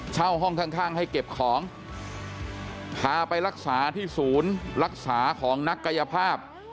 ห้องข้างให้เก็บของพาไปรักษาที่ศูนย์รักษาของนักกายภาพ